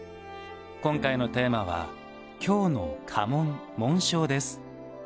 今回のテーマは京の家紋・紋章です。